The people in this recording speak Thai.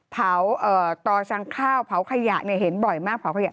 เผาต่อสั่งข้าวเผาขยะเห็นบ่อยมากเผาขยะ